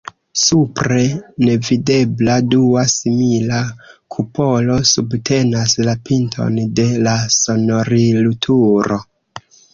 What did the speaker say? Supre, nevidebla, dua simila kupolo subtenas la pinton de la sonorilturo.